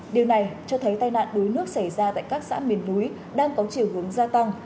điều này cho thấy tai nạn đuối nước xảy ra tại các xã miền núi đang có chiều hướng gia tăng